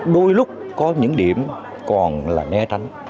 đôi lúc có những điểm còn là né tránh